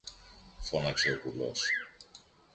φώναξε ο κουλός.